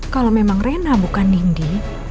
kalau memang rena bukan nindi